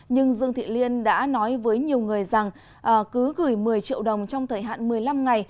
nhưng dương thị liên đã nói với nhiều người rằng cứ gửi một mươi triệu đồng trong thời hạn một mươi năm ngày